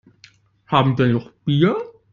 Haben wir noch Bier?